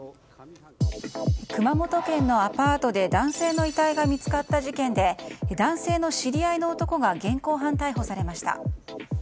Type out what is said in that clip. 熊本県のアパートで男性の遺体が見つかった事件で男性の知り合いの男が現行犯逮捕されました。